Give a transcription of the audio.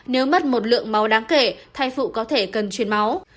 nếu mất một lượng máu đáng kể thai phụ có thể cần truyền máu